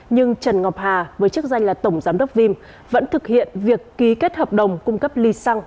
nhưng trần ngọc hà với chức danh là tổng giám đốc vim vẫn thực hiện việc ký kết hợp đồng cung cấp ly xăng